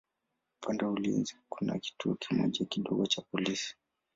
Upande wa ulinzi kuna kituo kimoja kidogo cha polisi.